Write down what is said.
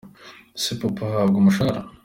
Ese Papa ahabwa umushahara?